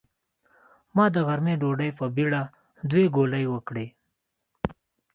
ما د غرمۍ ډوډۍ په بېړه دوې ګولې وکړې.